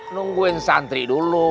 nungguin santri dulu